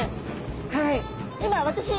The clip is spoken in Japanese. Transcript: はい。